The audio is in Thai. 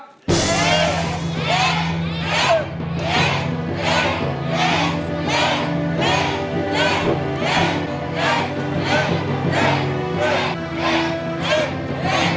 เล่น